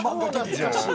懐かしい！